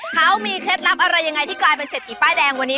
เขามีเคล็ดลับอะไรยังไงที่กลายเป็นเศรษฐีป้ายแดงวันนี้